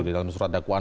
di dalam surat dakwaan